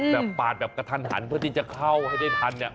แต่ปาดแบบกระทันหันเพื่อที่จะเข้าให้ได้ทันเนี่ย